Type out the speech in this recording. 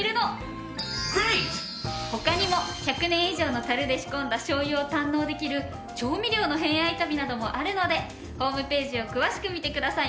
他にも１００年以上の樽で仕込んだ醤油を堪能できる調味料の偏愛旅などもあるのでホームページを詳しく見てくださいね。